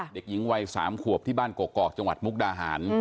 เด็กหญิงวัย๓ขวบที่บ้านกกอกจังหวัดมุกดาหาร